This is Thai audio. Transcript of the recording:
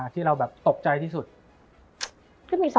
มันทำให้ชีวิตผู้มันไปไม่รอด